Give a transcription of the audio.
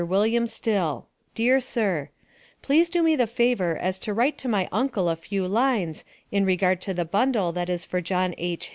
WILLIAM STILL: Dear Sir Please do me the favor as to write to my uncle a few lines in regard to the bundle that is for John H.